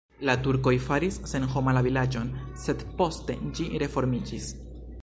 La turkoj faris senhoma la vilaĝon, sed poste ĝi refondiĝis.